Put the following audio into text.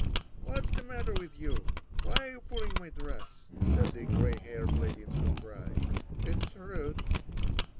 "What's the matter with you? Why are you pulling my dress?" said the grey haired lady in surprise. "It's rude."